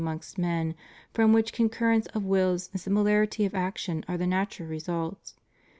ongst men, from which con currence of wills and similarity of action are the natural results.